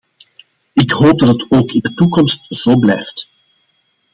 Ik hoop dat het ook in de toekomst zo blijft.